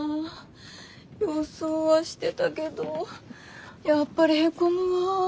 予想はしてたけどやっぱりへこむわ。